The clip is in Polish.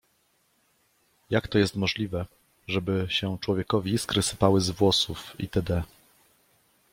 jak to jest możliwe, żeby się człowiekowi iskry sypały z włosów itd.